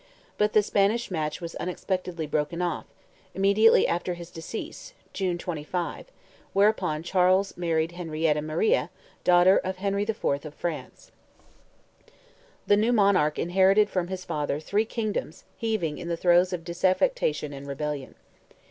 But the Spanish match was unexpectedly broken off, immediately after his decease (June, 1625), whereupon Charles married Henrietta Maria, daughter of Henry IV. of France. The new monarch inherited from his father three kingdoms heaving in the throes of disaffection and rebellion.